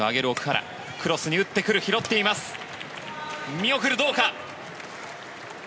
見送る、どうか。